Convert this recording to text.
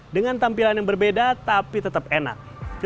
dengan tampilan yang berbeda tapi tetap enak